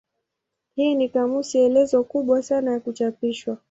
Hii ni kamusi elezo kubwa sana ya kuchapishwa.